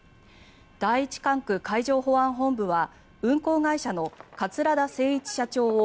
第一管区海上保安本部は運航会社の桂田精一社長を